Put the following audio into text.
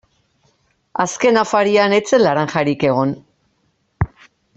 Azken afarian ez zen laranjarik egon.